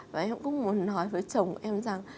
và em cũng muốn nói với chồng em rằng